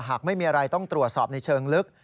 หากไม่มีอะไรต้องตรวจสอบในเชิงลึก